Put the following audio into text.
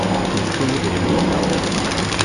Nettu idrimen-nneɣ.